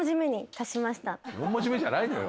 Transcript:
４文字目じゃないのよ。